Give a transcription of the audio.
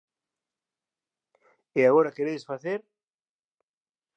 E agora queredes facer...